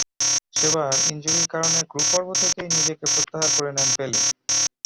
সেবার ইনজুরির কারণে গ্রুপ পর্ব থেকেই নিজেকে প্রত্যাহার করে নেন পেলে।